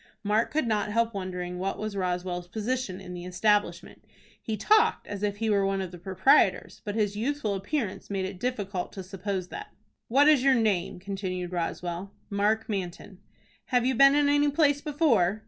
Mark could not help wondering what was Roswell's position in the establishment. He talked as if he were one of the proprietors; but his youthful appearance made it difficult to suppose that. "What is your name?" continued Roswell. "Mark Manton." "Have you been in any place before?"